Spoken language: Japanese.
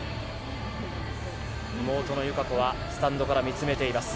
妹の友香子はスタンドから見つめています。